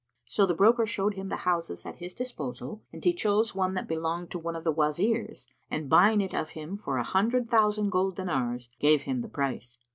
So the broker showed him the houses at his disposal and he chose one that belonged to one of the Wazirs and buying it of him for an hundred thousand golden dinars, gave him the price.